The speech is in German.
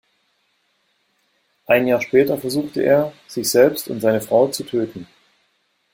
Ein Jahr später versuchte er, sich selbst und seine Frau zu töten.